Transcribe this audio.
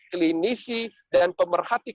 klinisi dan pemerhati